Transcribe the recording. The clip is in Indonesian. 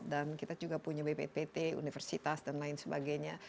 dan kita juga punya bppt universitas dan lain sebagainya